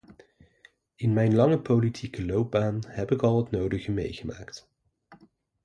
In mijn lange politieke loopbaan heb ik al het nodige meegemaakt.